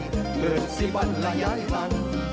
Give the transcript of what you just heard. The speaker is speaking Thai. เกิน๔วันและย้ายหลัง